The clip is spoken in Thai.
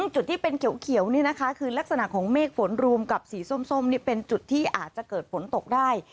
จุดที่เป็นเขียวนี่นะคะคือลักษณะของเมฆฝนรวมกับสีส้มนี่เป็นจุดที่อาจจะเกิดฝนตกได้